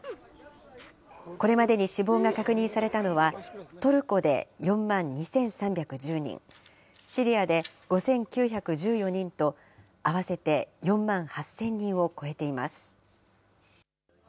これまでに死亡が確認されたのは、トルコで４万２３１０人、シリアで５９１４人と、合わせて４万８０００人を超えています。